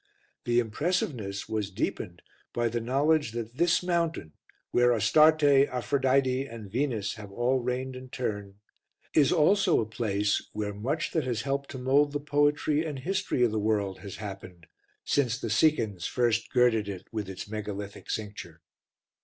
The impressiveness was deepened by the knowledge that this Mountain, where Astarte, Aphrodite and Venus have all reigned in turn, is also a place where much that has helped to mould the poetry and history of the world has happened since the Sicans first girded it with its megalithic cincture.